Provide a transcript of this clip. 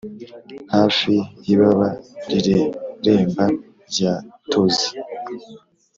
'hafi y'ibaba rireremba rya tozi